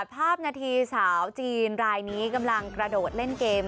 ภาพนาทีสาวจีนรายนี้กำลังกระโดดเล่นเกม